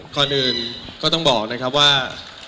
ก่อนอื่นก็ต้องบอกนะครับว่า